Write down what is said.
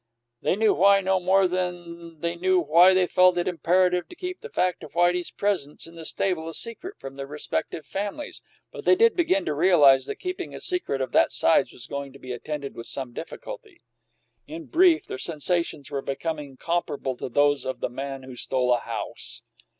They knew why no more than they knew why they felt it imperative to keep the fact of Whitey's presence in the stable a secret from their respective families, but they did begin to realize that keeping a secret of that size was going to be attended with some difficulty. In brief, their sensations were becoming comparable to those of the man who stole a house.